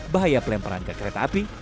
bahaya pelemparan ke kereta api